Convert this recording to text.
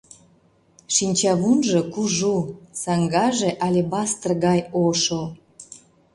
Шинчавунжо кужу, саҥгаже алебастр гай ошо.